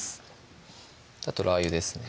あとラー油ですね